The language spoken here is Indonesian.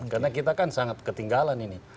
karena kita kan sangat ketinggalan ini